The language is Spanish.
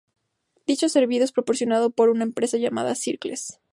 Dicho servicio es proporcionado por una empresa llamada Circles.